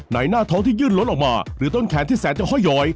ในหน้าท้องที่ยื่นล้นออกมาหรือต้นแขนที่แสนจะห้อย